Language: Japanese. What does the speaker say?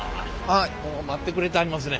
もう待ってくれてはりますね。